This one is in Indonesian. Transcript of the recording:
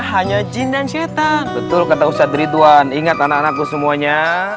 hanya jin dan cetan betul kata ustadz ridwan ingat anak anakku semuanya